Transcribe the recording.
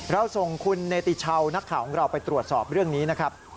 เราส่งคุณเนติชาวนักข่าวของเราไปตรวจสอบเรื่องนี้นะครับ